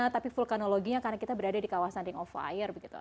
tapi vulkanologinya karena kita berada di kawasan ring of fire begitu